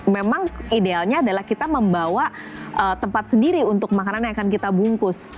memang idealnya adalah kita membawa tempat sendiri untuk makanan yang akan kita bungkus